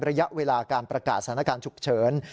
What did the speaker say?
ระยะเวลาการประกาศสถานการณ์ฉุกเฉิน